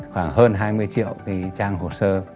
khoảng hơn hai mươi triệu trang hồ sơ